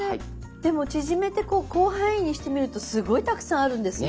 でも縮めてこう広範囲にしてみるとすごいたくさんあるんですね。